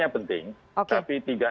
jadi ini juga tergantung kepada tiga m